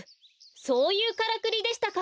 そういうからくりでしたか。